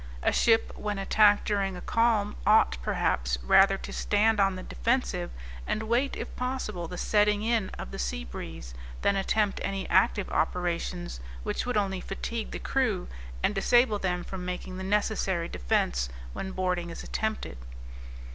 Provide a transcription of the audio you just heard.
A ship, when attacked during a calm, ought, perhaps, rather to stand on the defensive, and wait if possible the setting in of the sea breeze, than attempt any active operations, which would only fatigue the crew, and disable them from making the necessary defence when boarding is attempted.